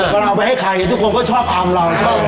แต่เราเอาไปให้ใครทุกคนก็ชอบอำเราชอบแซ่ชอบด่าเรา